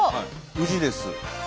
宇治です。